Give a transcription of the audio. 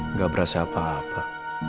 nggak berasa apa apa